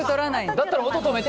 だったら、音止めて！